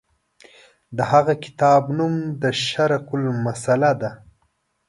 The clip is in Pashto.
د هغه کتاب نوم د شرق مسأله ده.